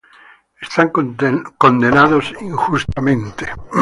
Están condenados injustamente.